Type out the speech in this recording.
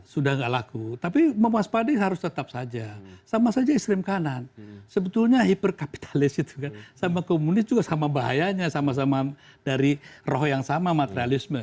sudah gak laku tapi memuas pading harus tetap saja sama saja ekstrem kanan sebetulnya hiperkapitalis itu kan sama komunis juga sama bahayanya sama sama dari roh yang sama materialisme